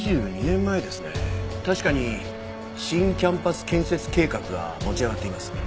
確かに新キャンパス建設計画が持ち上がっています。